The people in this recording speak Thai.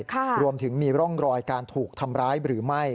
รวมถึงมีร่องรอยการถูกทำร้ายหรือไม่